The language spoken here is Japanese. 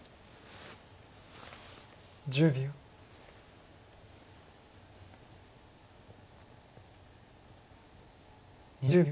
１０秒。